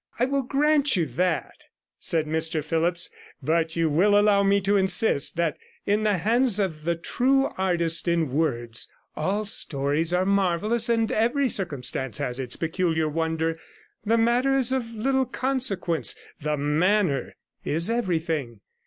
'I will grant you that,' said Mr Phillipps, 'but you will allow me to insist that in the hands of the true artist in words all stories are marvellous and every circumstance has its peculiar wonder. The matter is of little consequence; the manner is everything.